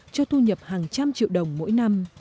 cho thu nhập hàng trăm triệu đồng mỗi năm